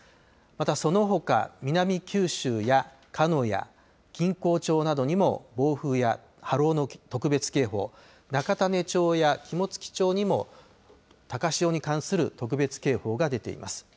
またそのほか、南九州や鹿屋、錦江町などにも暴風や波浪の特別警報、中種子町や肝付町にも、高潮に関する特別警報が出ています。